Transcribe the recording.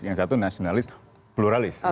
yang satu nasionalis pluralis